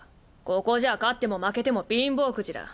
ここじゃ勝っても負けても貧乏くじだ。